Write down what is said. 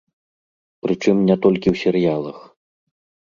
Прычым не толькі ў серыялах.